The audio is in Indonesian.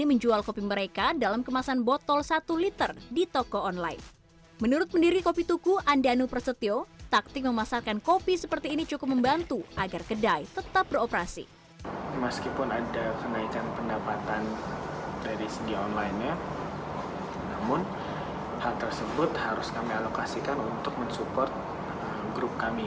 meskipun ada kenaikan pendapatan dari segi online nya namun hal tersebut harus kami alokasikan untuk mensupport grup kami